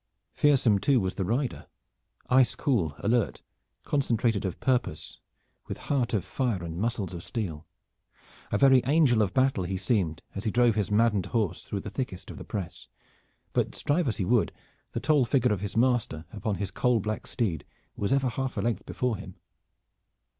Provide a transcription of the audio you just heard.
Fearsome too was the rider, ice cool; alert, concentrated of purpose, with, heart of fire and muscles of steel. A very angel of battle he seemed as he drove his maddened horse through the thickest of the press, but strive as he would: the tall figure of his master upon his coal black steed was ever half a length before him.